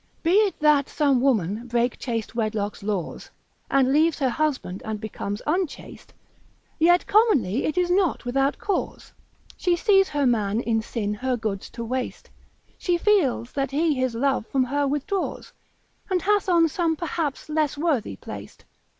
Be it that some woman break chaste wedlock's laws, And leaves her husband and becomes unchaste: Yet commonly it is not without cause, She sees her man in sin her goods to waste, She feels that he his love from her withdraws, And hath on some perhaps less worthy placed.